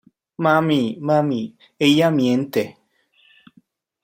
¡ Mami! ¡ mami! ¡ ella miente!